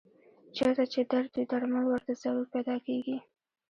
چېرته چې درد وي درمل ورته ضرور پیدا کېږي.